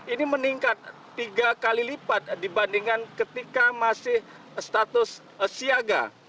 ini meningkat tiga kali lipat dibandingkan ketika masih status siaga